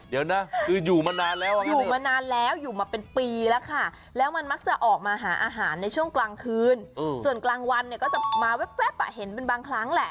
เดี๋ยวนะคืออยู่มานานแล้วอ่ะอยู่มานานแล้วอยู่มาเป็นปีแล้วค่ะแล้วมันมักจะออกมาหาอาหารในช่วงกลางคืนส่วนกลางวันเนี่ยก็จะมาแว๊บเห็นเป็นบางครั้งแหละ